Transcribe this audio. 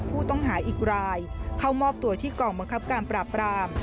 ผู้ต้องหาอีกรายเข้ามอบตัวที่กองบังคับการปราบราม